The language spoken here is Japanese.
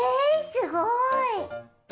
すごい！